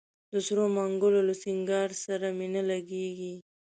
د سرو منګولو له سینګار سره مي نه لګیږي